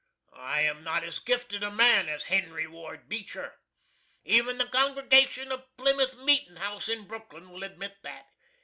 I am not as gifted a man as HENRY WARD BEECHER. Even the congregation of Plymouth Meetin' House in Brooklyn will admit that.